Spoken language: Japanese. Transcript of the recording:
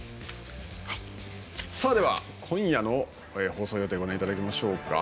さあ、では今夜の放送予定をご覧いただきましょうか。